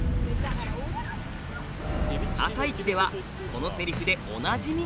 「あさイチ」ではこのセリフでおなじみ。